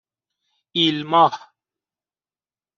ایلماه